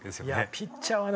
ピッチャーはね